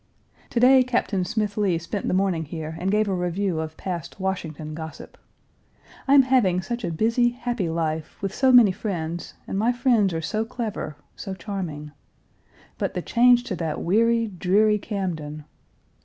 To day, Captain Smith Lee spent the morning here and gave a review of past Washington gossip. I am having Page 303 such a busy, happy life, with so many friends, and my friends are so clever, so charming. But the change to that weary, dreary Camden!